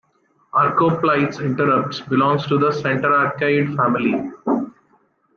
"Archoplites interruptus" belongs to the Centrarchidae family.